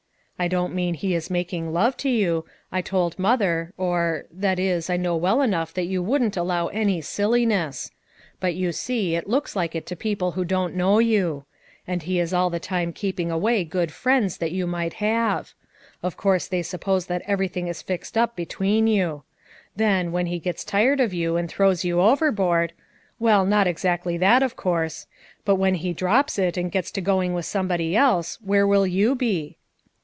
I don't mean he is making love to you; I told Mother, or— that is, I know well enough that you wouldn't allow any silliness; but you see it looks like it to people who don't know you; and he is all the time keeping away good friends that you might have; of course they t ( ti" 146 FOUE MOTHERS AT CHAUTAUQUA suppose that everything Is fixed up between you. Then, when he gets tired of you and throws you overboard — well, not exactly that, of course, but when he drops it and gets to going with somebody else where will you be?"